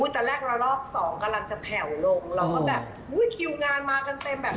ตอนแรกระลอกสองกำลังจะแผ่วลงเราก็แบบอุ้ยคิวงานมากันเต็มแบบ